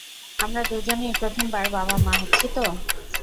আমরা দুজনেই প্রথমবার বাবা-মা হচ্ছি তো।